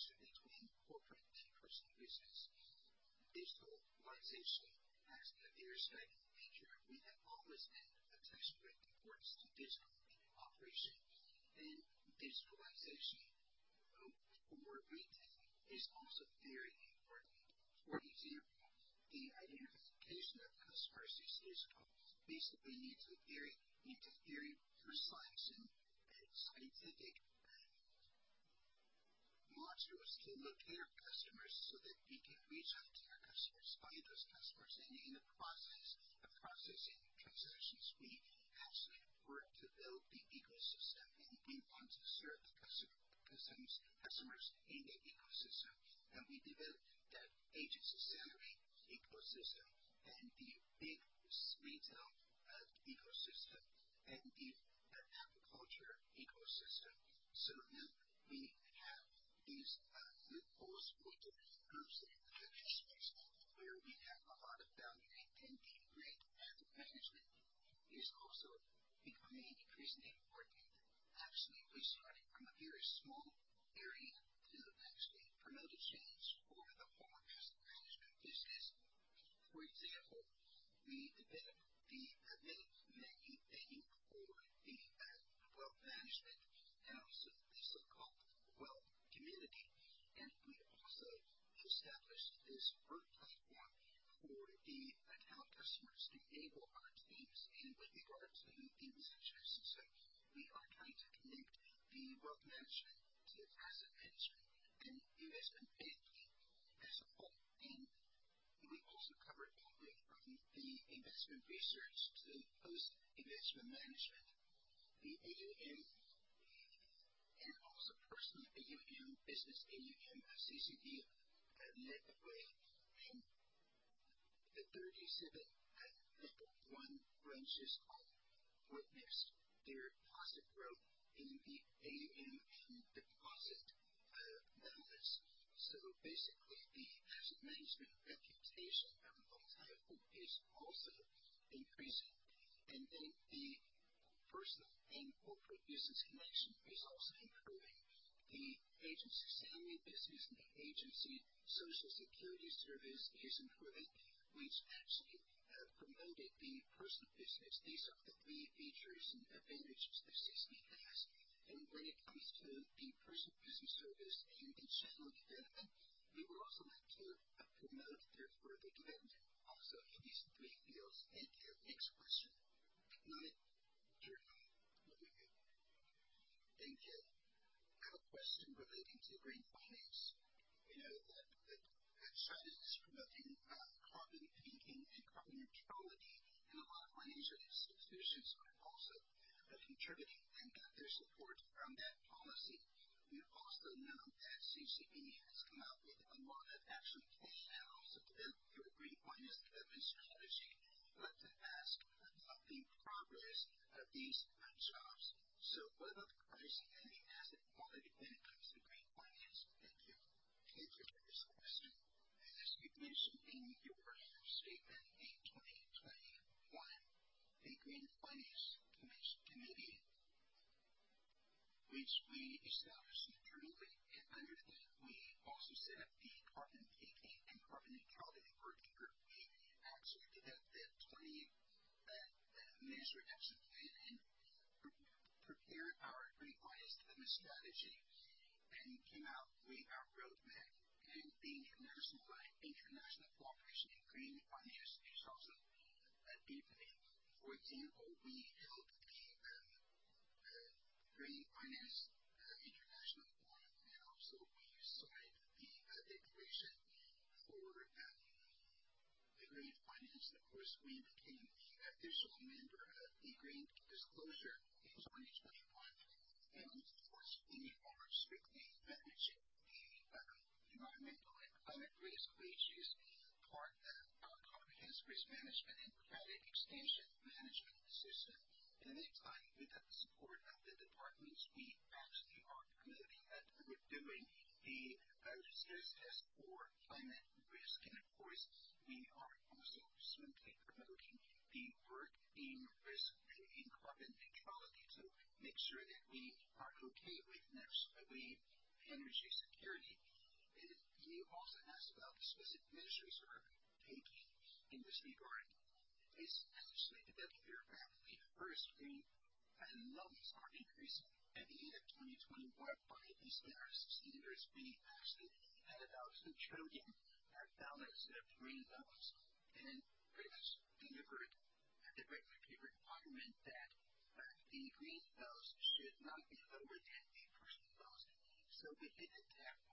digital operation plus big asset management plus the connection between corporate and personal business. Digitalization has been a very striking feature. We have always been attaching great importance to digital operation. Digitalization for retail is also very important. For example, the identification of customers is digital. Basically, we need to have very precise and scientific modules to locate our customers so that we can reach out to our customers, find those customers. In the process of processing transactions, we actually work to build the ecosystem. We want to serve the customers in that ecosystem. We developed that agency salary ecosystem and the big retail ecosystem and the agriculture ecosystem. Now we have these platforms for different groups of the customers where we got a lot of value. The great asset management is also becoming increasingly important. Actually, we started from a very small area to actually promote a change for the whole asset management business. For example, we developed the main venue for the wealth management and also the so-called wealth community. We also established this work platform for the account customers to enable our teams. With regard to the management system, we are trying to connect the wealth management to asset management and investment banking as a whole. We also covered all the way from the investment research to post-investment management. The AUM and also personal AUM, business AUM of CCB led the way. The 37 level one branches all witnessed their positive growth in the AUM and deposit balance. Basically, the asset management reputation of Long Taifu is also increasing. Then the personal and corporate business connection is also improving. The agency salary business and the agency social security service is improving, which actually promoted the personal business. These are the three features and advantages that CCB has. When it comes to the personal business service and the channel development, we would also like to promote their further development also in these three fields. Thank you. Next question. Economic Journal Lu Yu. Thank you. I have a question relating to green finance. We know that China is promoting carbon peaking and carbon neutrality. A lot of financial institutions are also contributing and got their support from that policy. We also know that CCB has come out with a lot of action plan and also developed your green finance development strategy. I'd like to ask about the progress of these jobs. What about the pricing and the asset quality when it comes to green finance? Thank you. Thank you for this question. As you've mentioned in your statement in 2021, the Green Finance Committee, which we established internally, and under that, we also set up the carbon peaking and carbon neutrality working group. We actually developed the 20-measure action plan and prepared our green finance development strategy and came out with our roadmap. The international cooperation in green finance is also deepening. For example, we held the Green Finance International Forum. We signed the declaration for green finance. Of course, we became the official member of the Green Disclosure in 2021. Of course, we are strictly managing the environmental and climate risk, which is part of our comprehensive risk management and credit expansion management system. In the meantime, with the support of the departments, we actually are promoting or doing the stress test for climate risk. Of course, we are also smoothly promoting the work in carbon neutrality to make sure that we are okay with energy security. You also asked about the specific measures we're taking in this regard. It's actually developing very rapidly. First, green loans are increasing. At the end of 2021, by the CBIRC standards, we actually had about CNY 2 trillion balance of green loans and pretty much delivered the regulatory requirement that the green loans should not be lower than the personal loans.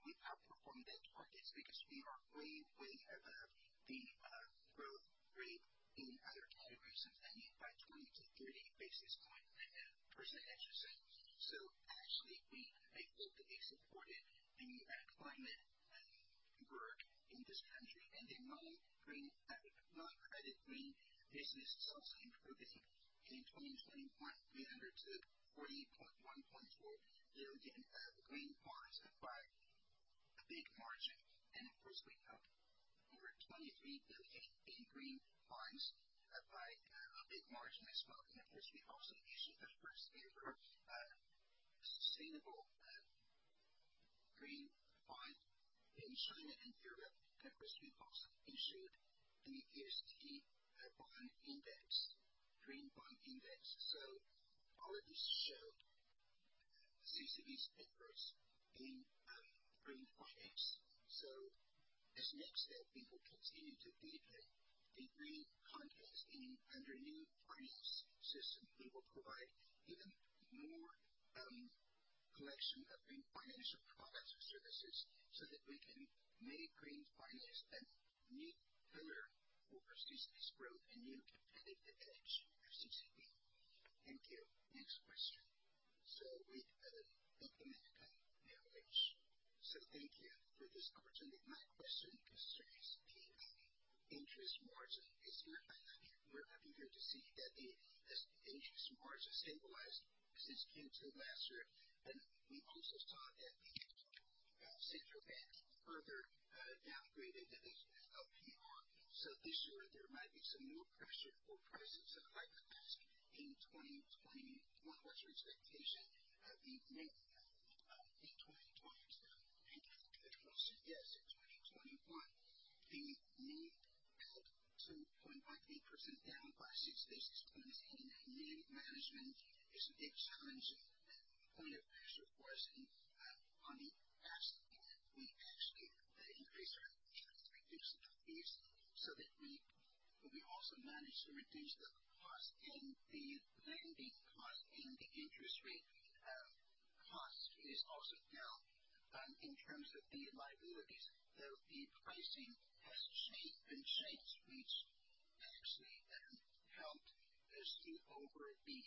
We outperformed that target because we are way above the growth rate in other categories of land use by 20-30 basis points percent, I should say. Actually, we effectively supported the climate work in this country. Non-credit green business is also improving. In 2021, we undertook CNY 41.4 billion of green bonds by a big margin. Of course, we held over 23 billion in green bonds by a big margin as well. Of course, we also issued the first-ever sustainable green bond in China and Europe. Of course, we also issued the ESG bond index, green bond index. All of these showed CCB's efforts in green finance. As next step, we will continue to deepen the green contents under new finance system. We will provide even more collection of green financial products and services so that we can make green finance a new pillar for CCB's growth and new competitive edge of CCB. Thank you. Next question. With Bank of America Merrill Lynch. Thank you for this opportunity. My question concerns the interest margin. We're happy to see that the interest margin stabilized since Q2 last year. We also saw that the central banks further downgraded the LPR. This year, there might be some more pressure for pricing. I'd like to ask in 2021, what's your expectation of the NIM in 2022? Thank you for the question. Yes, in 2021. The NIM at 2.13% down by 6 basis points. NIM management is a big challenge and point of pressure for us on the asset. We actually increased our efforts in reducing the fees so that we also manage to reduce the cost. The lending cost and the interest rate cost is also down in terms of the liabilities, though the pricing has been changed, which actually helped smooth over the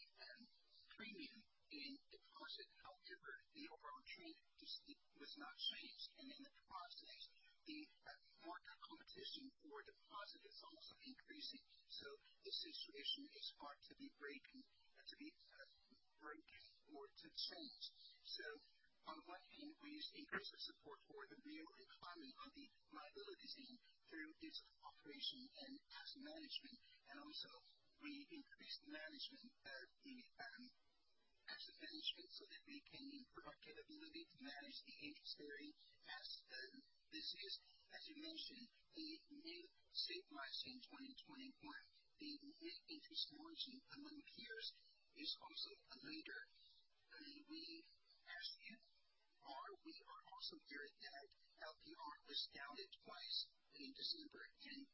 premium in deposit. However, the overall trend was not changed. In the process, the market competition for deposit is also increasing. This situation is hard to be broken or to change. On the one hand, we increased our support for the real economy on the liabilities end through digital operation and asset management. Also, we increased the asset management so that we can improve our capability to manage the interest bearing as a business. As you mentioned, the NIM stabilized in 2021. The net interest margin among peers is also a leader. As you're aware, we are also aware that LPR was down twice in December, the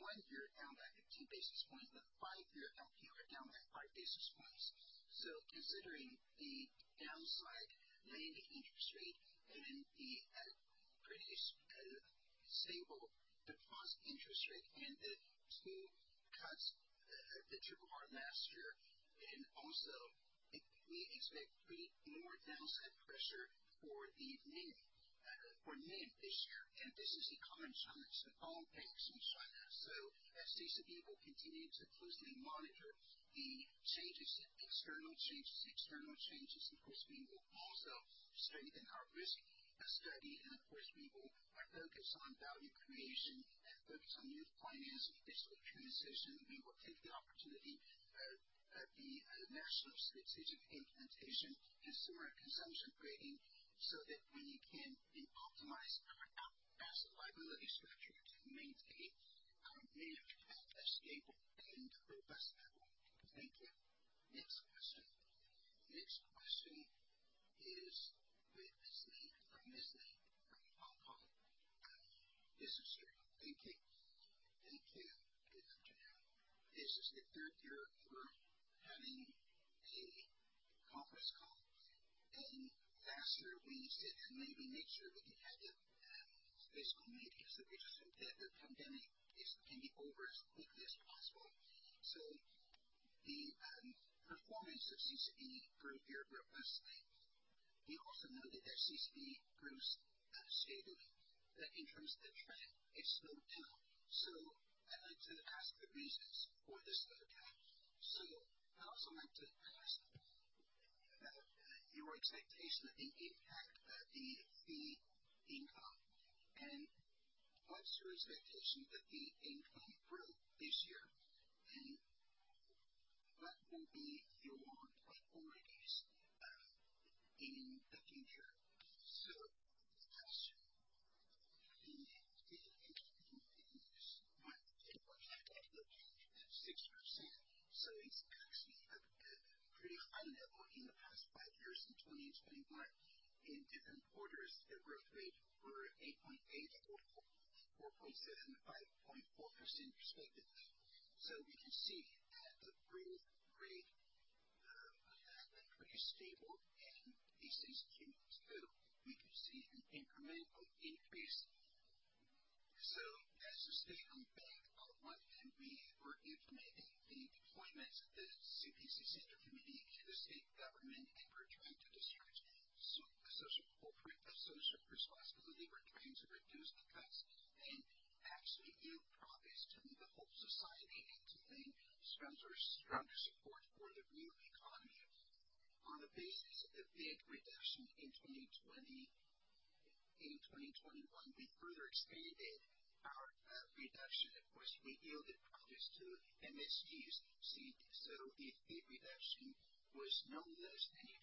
one-year down by 15 basis points, the five-year LPR down by 5 basis points. Considering the downside in lending interest rate and the pretty stable deposit interest rate and the two cuts, the RRR last year, we expect pretty more downside pressure for the NIM this year. This is a common challenge to all banks in China. At CCB, we'll continue to closely monitor the external changes. Of course, we will also strengthen our risk study. Of course, we will focus on value creation and focus on new finance and digital transition. We will take the opportunity, the national strategic implementation, consumer consumption upgrading so that we can optimize our asset liability structure to maintain our NIM at a stable and robust level. Thank you. Next question. Next question is with Ms. Lee from Hong Kong Economic Journal. Thank you. Thank you. Good afternoon. This is the third year we're having a conference call. Last year, we said that maybe next year we can have a physical meeting. We just hope that the pandemic can be over as quickly as possible. The performance of CCB grew very robustly. We also noted that CCB grew steadily. In terms of the trend, it slowed down. I'd like to ask the reasons for the slowdown. I also like to ask about your expectation of the impact of the fee income. What's your expectation of the fee income growth this year? What will be your priorities in the future? Last year, the fee income is CNY 121.5 billion at 6%. It's actually a pretty high level in the past five years. In 2021, in different quarters, the growth rate were 8.8, 4.7, and 5.4% respectively. We can see that the growth rate had been pretty stable. Since Q2, we could see an incremental increase. As a state-owned bank, on the one hand, we were implementing the deployments of the CPC Central Committee and the State Council. We're trying to discharge corporate social responsibility. We're trying to implement rate cuts and actually yield profits to the whole society and to lend stronger support for the real economy. On the basis of the big reduction in 2020, in 2021, we further expanded our reduction. Of course, we yielded profits to MSEs. The fee reduction was no less than in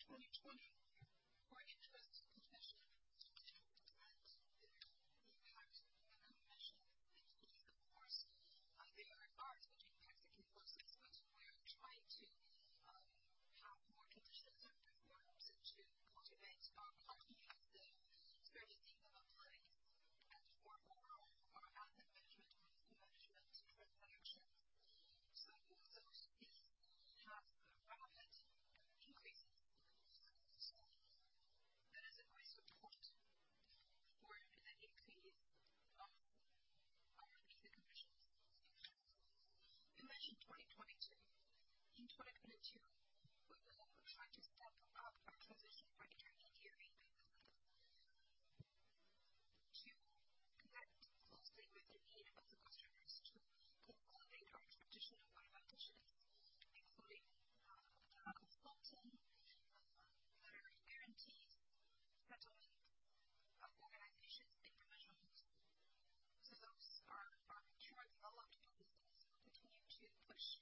2020. For interest concessions and their impact on the commissions and fees, of course, there are such impacts and influences. We are trying to have more transitions and reforms and to cultivate our comprehensive servicing capabilities and for overall our asset management, wealth management, transactions. Those fees have rapid increases. That is a great support for the increase of our fees and commissions. You mentioned 2022. In 2022, we will try to step up our transition for intermediary businesses to connect closely with the need of the customers, to consolidate our traditional advantages, including the consulting letter of guarantees, settlements of organizations, individuals. Those are mature and developed businesses. We'll continue to push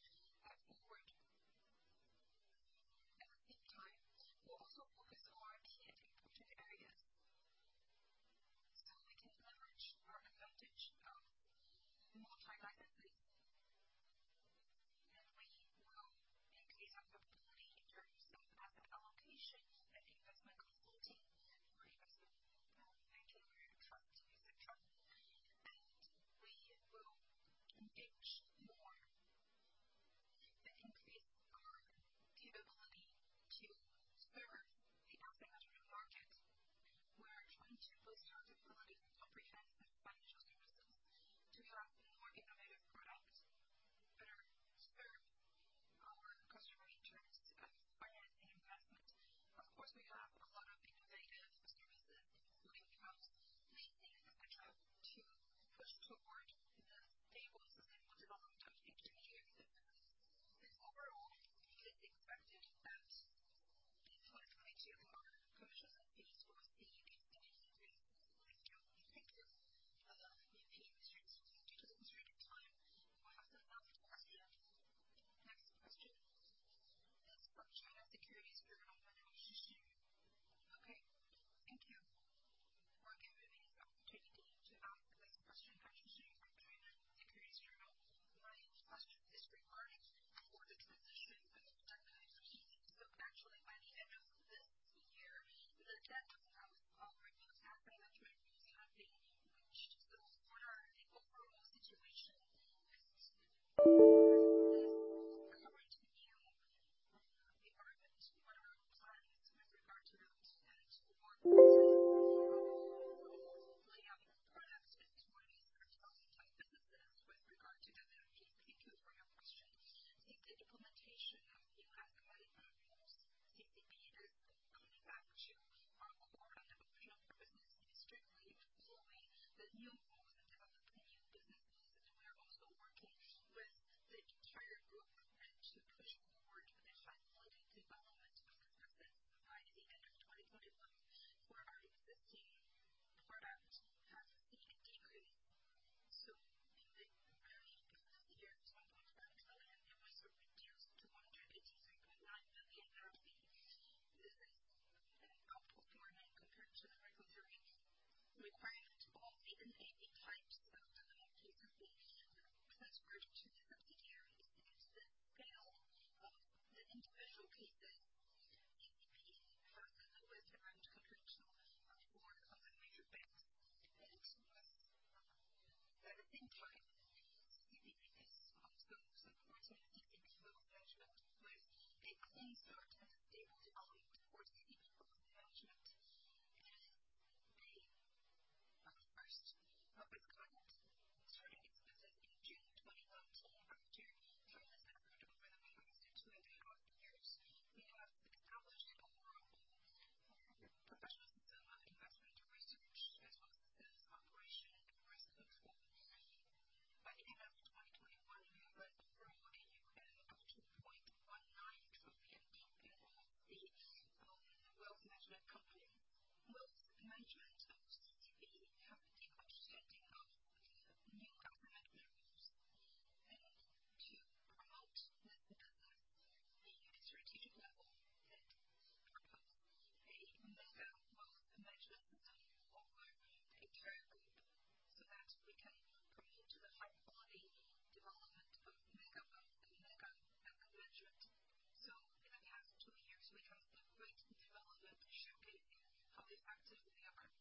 that forward. At the same time, we'll also focus on our key and important areas so we can leverage our advantage of multi-licenses. We will increase our capability in terms of asset allocation and investment consulting for investment banking or trust, etc. We will engage more and increase our capability to serve the asset management market. We are trying to boost our capability for comprehensive financial services, to have more innovative products, better deadline of our